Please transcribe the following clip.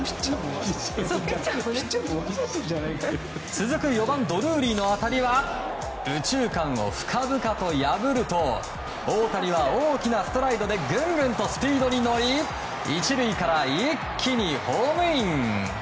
続く４番、ドルーリーの当たりは右中間を深々と破ると大谷は、大きなストライドでぐんぐんとスピードに乗り１塁から一気にホームイン！